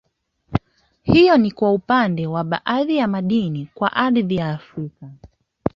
Hiyo ni kwa upande wa baadhi ya madini kwa ardhi ya Afrika